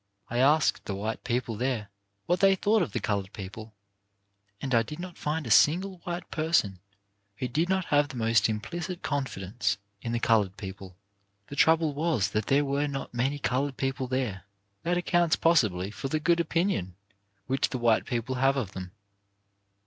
I asked the white people there what they thought of the coloured people, and I did not find a single white person who did not have the most implicit confidence in the coloured people. The trouble was that there were not many coloured people there. That accounts possibly for the good 172 CHARACTER BUILDING opinion which the white people have of them.